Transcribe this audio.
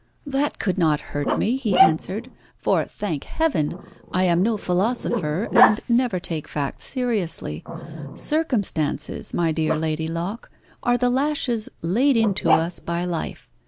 "That could not hurt me," he answered, "for, thank Heaven! I am no philosopher, and never take facts seriously. Circumstances, my dear Lady Locke, are the lashes laid into us by life.